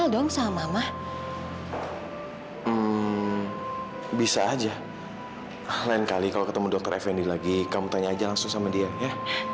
lain kali kalau ketemu dokter effendi lagi kamu tanya aja langsung sama dia ya